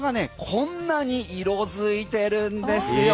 こんなに色づいてるんですよ。